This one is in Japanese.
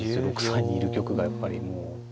６三にいる玉がやっぱりもう。